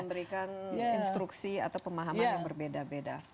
memberikan instruksi atau pemahaman yang berbeda beda